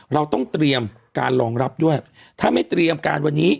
เราต้องเตรียมการรองรับด้วยถ้าไม่เตรียมการวันนี้